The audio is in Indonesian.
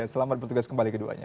selamat bertugas kembali keduanya